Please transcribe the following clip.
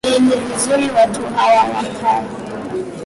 eeh ni vizuri watu hawa wakae